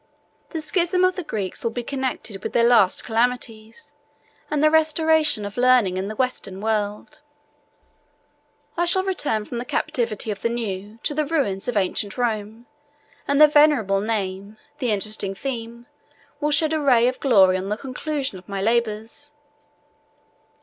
The schism of the Greeks will be connected with their last calamities, and the restoration of learning in the Western world. I shall return from the captivity of the new, to the ruins of ancient Rome; and the venerable name, the interesting theme, will shed a ray of glory on the conclusion of my labors.